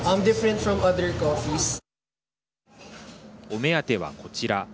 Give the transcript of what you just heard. お目当ては、こちら。